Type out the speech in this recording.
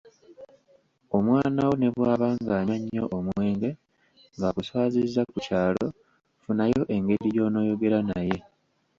Omwana wo ne bw'aba ng’anywa nnyo omwenge, ng’akuswazizza ku kyalo, funawo engeri gy’onooyogera naye.